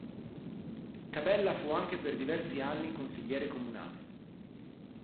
Cabella fu anche per diversi anni consigliere comunale.